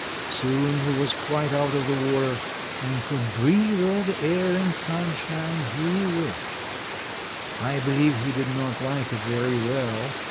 Soon he was quite out of the water and could breathe all the air and sunshine he wished. I believe he did not like it very well.